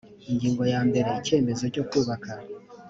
ingingo ya mbere icyemezo cyo kubaka